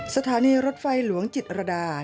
สถานีรถไฟหลวงจิตรดา